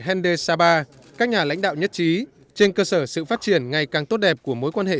hende saba các nhà lãnh đạo nhất trí trên cơ sở sự phát triển ngày càng tốt đẹp của mối quan hệ